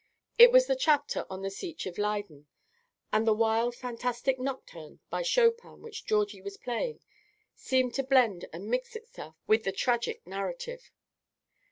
It was the chapter on the siege of Leyden; and the wild, fantastic nocturne by Chopin which Georgie was playing, seemed to blend and mix itself with the tragic narrative.